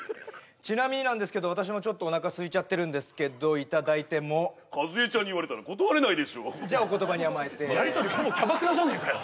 ちなみになんですけど私もちょっとおなかすいちゃってるんですけどいただいてもカズエちゃんに言われたら断れないでしょじゃお言葉に甘えてやりとりほぼキャバクラじゃねえかよ